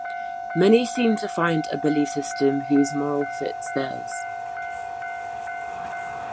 many seem to find a belief system whose morals fit theirs